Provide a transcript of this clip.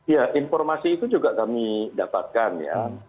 ya informasi itu juga kami dapatkan ya